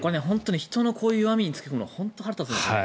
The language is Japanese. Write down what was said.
人のこういう弱みに付け込むのは本当に腹が立つんですよね。